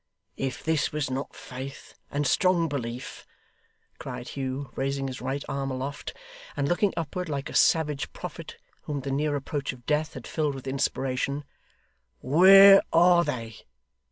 'If this was not faith, and strong belief!' cried Hugh, raising his right arm aloft, and looking upward like a savage prophet whom the near approach of Death had filled with inspiration, 'where are they!